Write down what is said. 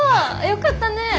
よかったねえ。